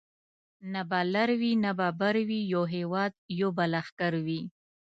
نه به لر وي نه به بر وي یو هیواد یو به لښکر وي